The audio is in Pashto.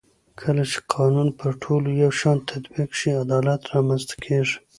کله چې قانون پر ټولو یو شان تطبیق شي عدالت رامنځته کېږي